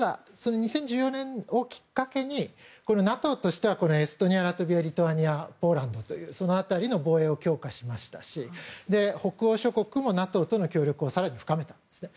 ただ、２０１４年をきっかけにＮＡＴＯとしてはエストニア、ラトビアリトアニアにポーランドというその辺りの防衛を強化しましたし北欧諸国もＮＡＴＯとの協力を更に深めたんですね。